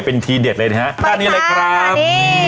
เป็นทีเด็ดเลยนะฮะด้านนี้เลยครับ